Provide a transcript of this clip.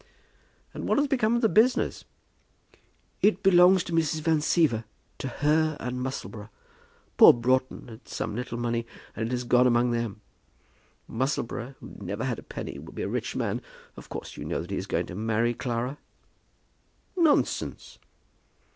"And what has become of the business?" "It belongs to Mrs. Van Siever, to her and Musselboro. Poor Broughton had some little money, and it has gone among them. Musselboro, who never had a penny, will be a rich man. Of course you know that he is going to marry Clara?" "Nonsense!"